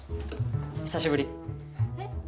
久しぶりえっ？